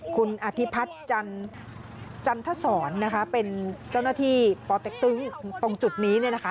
คุณอธิพัฒน์จันทสอนเป็นเจ้าหน้าที่ปตรศตรงจุดนี้